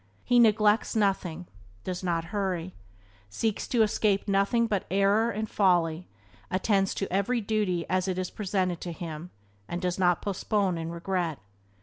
He neglects nothing; does not hurry; seeks to escape nothing but error and folly; attends to every duty as it is presented to him, and does not postpone and regret.